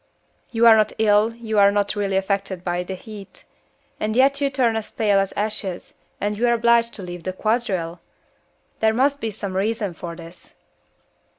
"You are not ill, you are not really affected by the heat and yet you turn as pale as ashes, and you are obliged to leave the quadrille! There must be some reason for this."